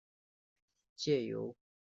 借由门边射入的晨光挑著菜